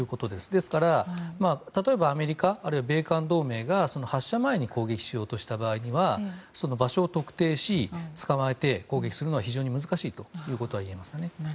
ですから、例えばアメリカあるいは米韓同盟が発射前に攻撃しようとした場合には場所を特定し捕まえて攻撃するのは非常に難しいと言えますね。